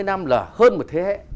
ba mươi năm là hơn một thế hệ